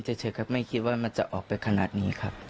เฉยครับไม่คิดว่ามันจะออกไปขนาดนี้ครับ